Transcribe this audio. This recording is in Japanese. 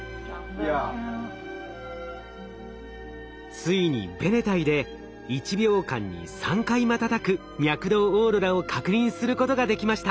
ついにベネタイで１秒間に３回瞬く脈動オーロラを確認することができました。